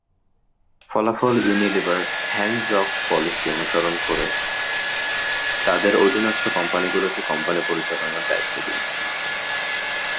ফলাফল Unilever "hands off" policy অনুসরন করে তাদের অধীনস্থ কোম্পানি গুলোকে কোম্পানি পরিচালনার দায়িত্ব দিল।